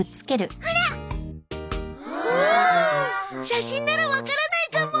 写真ならわからないかも。